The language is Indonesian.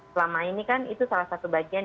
selama ini kan itu salah satu bagian